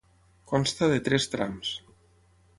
Consta de tres trams.